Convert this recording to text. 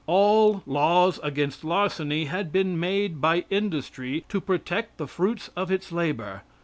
All laws against larceny have been made by industry to protect the fruits of its labor.